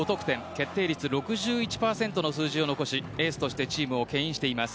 決定率６１％の数字を残しエースとしてチームをけん引しています。